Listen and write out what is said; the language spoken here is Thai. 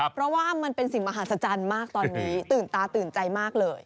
เพราะว่ามันเป็นสิ่งมหัศจรรย์มากตอนนี้ตื่นตาตื่นใจมากเลย